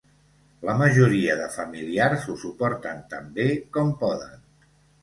La majoria de familiars ho suporten tan bé com poden.